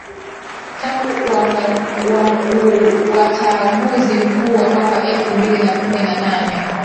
tangu uachaguzi mkuu wa mwaka elfu mbili na kumi na nane